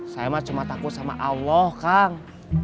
saya mah cuma takut sama allah kang